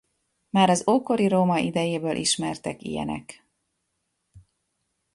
Már az ókori Róma idejéből ismertek ilyenek.